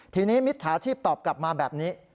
ทีนี้มิจฉาชีพตอบกลับมาแบบนี้